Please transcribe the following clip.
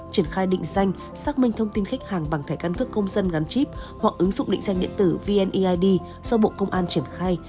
triển khai định danh xác minh thông tin khách hàng bằng thẻ căn cước công dân gắn chip hoặc ứng dụng định danh điện tử vneid do bộ công an triển khai